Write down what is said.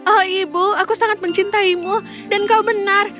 oh ibu aku sangat mencintaimu dan kau benar